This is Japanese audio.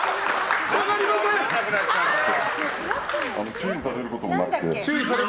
注意されることもなくて。